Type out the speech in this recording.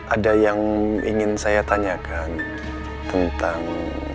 ada yang ingin saya tanyakan tentang